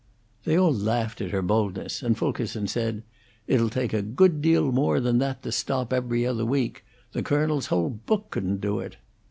They all laughed at her boldness, and Fulkerson said: "It'll take a good deal more than that to stop 'Every Other Week'. The Colonel's whole book couldn't do it."